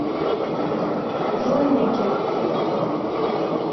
Ẓenneg.